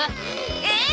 えっ？